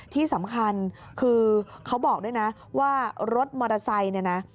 ที่สำคัญคือเขาบอกด้วยนะว่ารถมอเตอร์ไซค์เนี่ยนะ